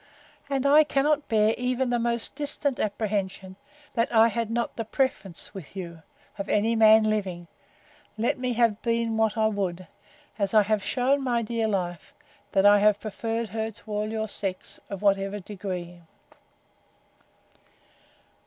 —And I cannot bear even the most distant apprehension, that I had not the preference with you, of any man living, let me have been what I would, as I have shewn my dear life, that I have preferred her to all her sex, of whatever degree.